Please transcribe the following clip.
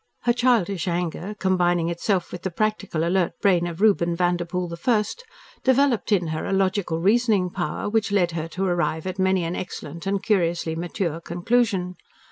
Her childish anger, combining itself with the practical, alert brain of Reuben Vanderpoel the first, developed in her a logical reasoning power which led her to arrive at many an excellent and curiously mature conclusion.